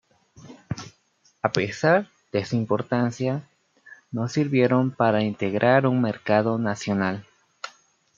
A pesar de su importancia, no sirvieron para integrar un mercado nacional.